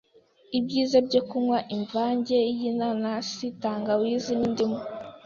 Ibyiza byo kunywa imvange y'inanasi, tangawizi n'indimu